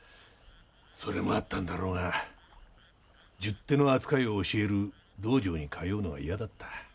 それもあったんだろうが十手の扱いを教える道場に通うのが嫌だった。